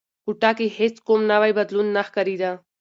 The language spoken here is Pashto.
کوټه کې هیڅ کوم نوی بدلون نه ښکارېده.